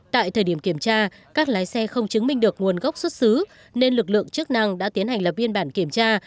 tại thời điểm kiểm tra các lái xe không chứng minh được nguồn gốc xuất xứ nên lực lượng chức năng đã tiến hành lập biên bản kiểm tra